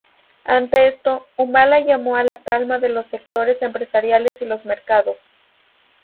Ante esto, Humala llamó a la calma a los sectores empresariales y los mercados.